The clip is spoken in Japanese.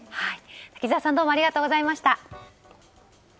滝沢さんありがとうございました。